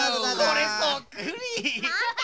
これそっくり。